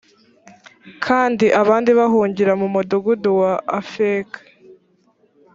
kandi abandi bahungira mu mudugudu wa afeka